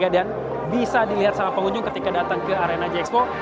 bisa dilihat sama pengunjung ketika datang ke arena j expo